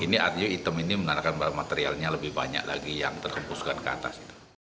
ini artinya hitam ini menandakan bahwa materialnya lebih banyak lagi yang terhempuskan ke atas